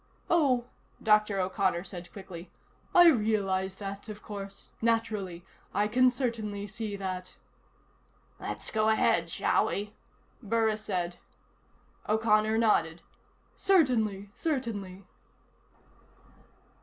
"Oh," Dr. O'Connor said quickly. "I realize that, of course. Naturally. I can certainly see that." "Let's go ahead, shall we?" Burris said. O'Connor nodded. "Certainly. Certainly."